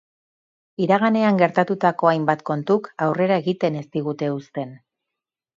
Iraganean gertatuko hainbat kontuk aurrera egiten ez digute uzten.